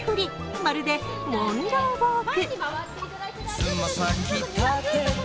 まるでモンローウオーク。